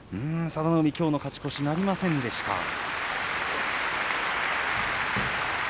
佐田の海、きょう勝ち越しなりませんでした。